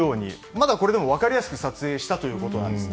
まだ、これでも分かりやすく撮影したということなんです。